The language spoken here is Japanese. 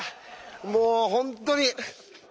もう本当に！